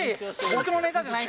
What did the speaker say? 僕のネタじゃない。